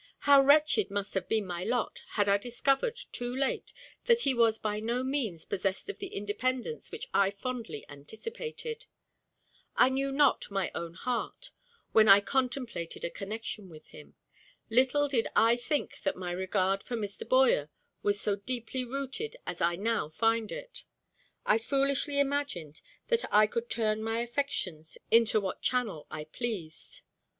How wretched must have been my lot, had I discovered, too late, that he was by no means possessed of the independence which I fondly anticipated! I knew not my own heart, when I contemplated a connection with him. Little did I think that my regard for Mr. Boyer was so deeply rooted as I now find it. I foolishly imagined that I could turn my affections into what channel I pleased.